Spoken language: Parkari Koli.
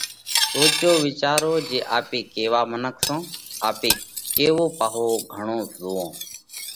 سوچو وِيچارو جي آپي ڪيوا منک سون؟ آپي ڪيوو پاهو گھڻو زوئونه؟